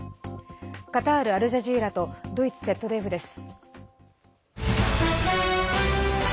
カタール・アルジャジーラとドイツＺＤＦです。